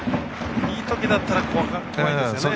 いいときだったら怖いですよね。